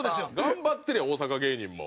頑張ってるやん大阪芸人も。